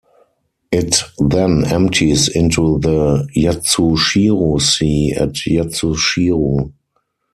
It then empties into the Yatsushiro Sea at Yatsushiro.